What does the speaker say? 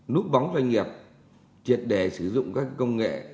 núp bóng doanh nghiệp triệt đề sử dụng các công nghệ